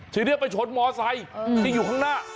ทีเรียกไปชนมอเซอร์ไซค์ที่อยู่ข้างหน้า